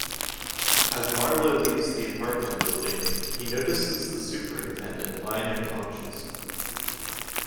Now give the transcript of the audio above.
As Marlowe leaves the apartment building, he notices the superintendent lying unconscious.